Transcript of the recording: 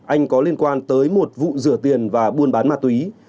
anh có liên quan tới một vụ rửa tiền và buôn bán ma túy